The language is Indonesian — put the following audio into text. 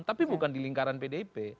tapi bukan di lingkaran pdip